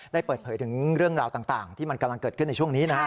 ได้เปิดเผยถึงเรื่องราวต่างที่มันกำลังเกิดขึ้นในช่วงนี้นะฮะ